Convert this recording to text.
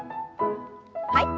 はい。